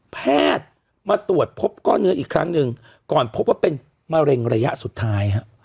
แพทย์มาตรวจพบก้อนเนื้ออีกครั้งหนึ่งก่อนพบว่าเป็นมะเร็งระยะสุดท้ายฮะ